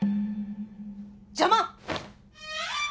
邪魔！？